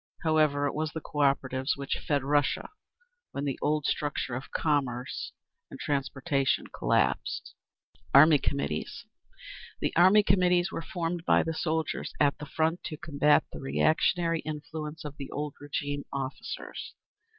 However, it was the Cooperatives which fed Russia when the old structure of commerce and transportation collapsed. 7. Army Committees. The Army Committees were formed by the soldiers at the front to combat the reactionary influence of the old regime officers.